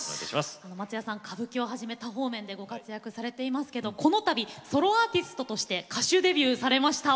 松也さん歌舞伎をはじめ多方面でご活躍されていますけどこのたびソロアーティストとして歌手デビューされました。